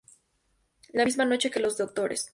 La misma noche que los Drs.